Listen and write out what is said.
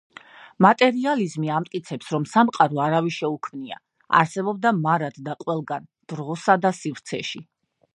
მატერიალიზმი ამტკიცებს, რომ სამყარო არავის შეუქმნია, არსებობდა მარად და ყველგან, დროსა და სივრცეში.